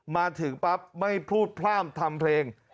มาถึงปั๊บไม่พูดพร่ามทำเพลง